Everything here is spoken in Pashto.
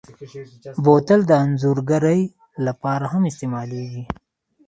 بوتل د انځورګرۍ لپاره هم استعمالېږي.